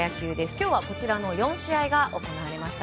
今日はこちらの４試合が行われました。